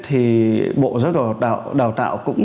thì bộ giáo dục đào tạo của các trường trung cấp